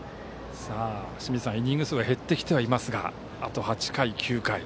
イニング数が減ってきてはいますがあと８回、９回。